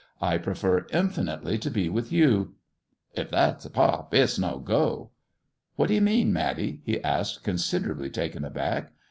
" I prefer infinitely to be with you." " K that's a pop, it's no go." " What do you mean, Matty 1 " he asked, considerably taken aback.